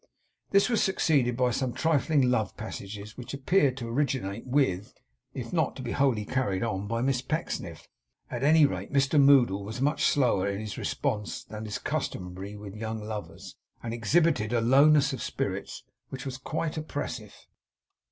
This was succeeded by some trifling love passages, which appeared to originate with, if not to be wholly carried on by Miss Pecksniff. At any rate, Mr Moddle was much slower in his responses than is customary with young lovers, and exhibited a lowness of spirits which was quite oppressive.